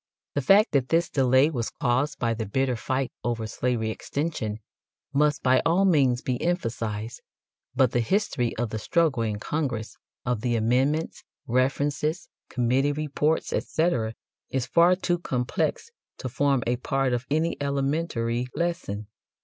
The fact that this delay was caused by the bitter fight over slavery extension must by all means be emphasized, but the history of the struggle in Congress, of the amendments, references, committee reports, etc., is far too complex to form a part of any elementary lesson.